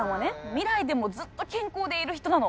未来でもずっと健康でいる人なの。